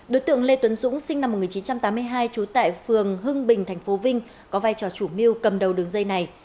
đối tượng lê tuấn dũng sinh năm một nghìn chín trăm tám mươi hai trú tại phường hưng bình tp vinh có vai trò chủ mưu cầm đầu đường dây này